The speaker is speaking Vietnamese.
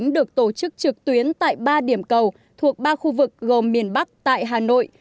được tổ chức trực tuyến tại ba điểm cầu thuộc ba khu vực gồm miền bắc tại hà nội